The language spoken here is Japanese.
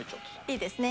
いいですね。